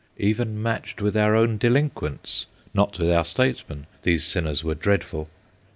Even matched with our own delinquents, not with our statesmen, these sinners were dreadful.